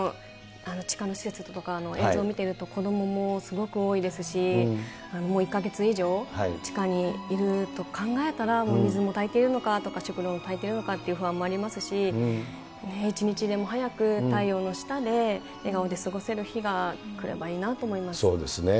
地下の施設とか、映像見てると、子どももすごく多いですし、もう１か月以上、地下にいると考えたら、もう水も足りてるのかとか、食料が足りているのかという不安もありますし、一日でも早く太陽の下で笑顔で過ごせる日が来ればいいなと思いまそうですね。